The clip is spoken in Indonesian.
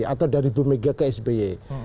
atau dari bumega ke sby